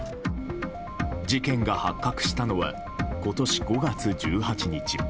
事件が発覚したのは今年５月１８日。